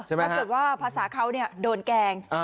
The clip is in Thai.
เออแล้วเกิดว่าภาษาเขาเนี่ยโดนแกง